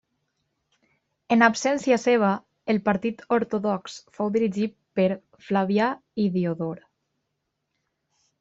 En absència seva, el partit ortodox fou dirigit per Flavià i Diodor.